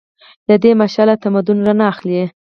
له دې مشعله تمدن رڼا اخلي.